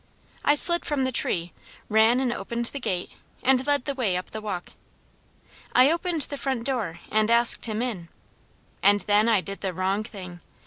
I slid from the tree, ran and opened the gate, and led the way up the walk. I opened the front door and asked him in, and then I did the wrong thing.